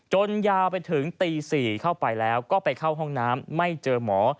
ยาวไปถึงตี๔เข้าไปแล้วก็ไปเข้าห้องน้ำไม่เจอหมอ